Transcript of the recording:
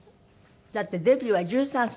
だってデビューは１３歳？